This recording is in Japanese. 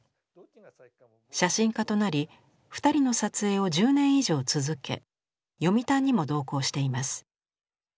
写真家となり二人の撮影を１０年以上続け読谷にも同行しています。